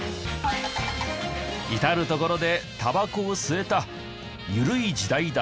至る所でタバコを吸えた緩い時代だった。